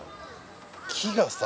木がさ